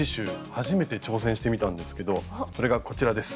初めて挑戦してみたんですけどそれがこちらです。